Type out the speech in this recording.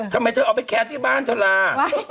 ทำไมเธอเอาไปแคร์ที่บ้านเธอล่ะ